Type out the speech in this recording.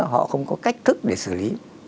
họ không có cách thức để xử lý